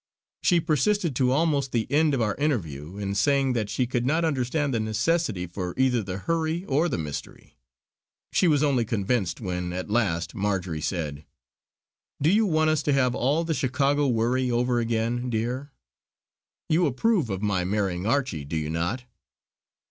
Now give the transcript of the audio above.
She persisted to almost the end of our interview in saying that she could not understand the necessity for either the hurry or the mystery. She was only convinced when at last Marjory said: "Do you want us to have all the Chicago worry over again, dear? You approve of my marrying Archie do you not?